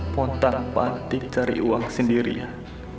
potak pantik cari uang sendirian